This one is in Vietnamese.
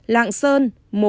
lạng sơn một